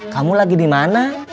kamu lagi dimana